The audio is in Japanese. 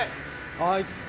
はい！